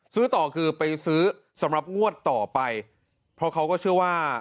ซื้อต่อคือไปซื้อสำหรับงวดต่อไปเพราะเขาก็เชื่อว่า